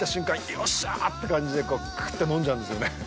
よっしゃーって感じでクーっと飲んじゃうんですよね。